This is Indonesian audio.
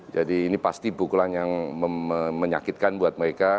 jadi ini pasti bukulan yang menyakitkan buat mereka